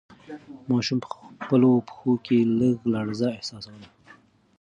ماشوم په خپلو پښو کې لږه لړزه احساسوله.